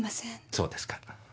そうですか。